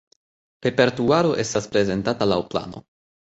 Repertuaro estas prezentata laŭ plano.